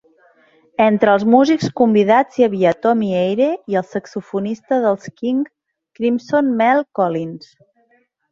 Entre els músics convidats hi havia Tommy Eyre i el saxofonista dels King Crimson Mel Collins.